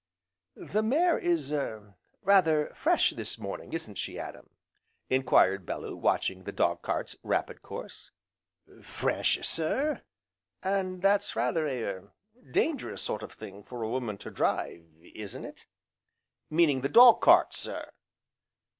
"The mare is er rather fresh this morning, isn't she, Adam?" enquired Bellew, watching the dog cart's rapid course. "Fresh sir?" "And that's rather a er dangerous sort of thing for a woman to drive, isn't it?" "Meanin' the dog cart, sir?"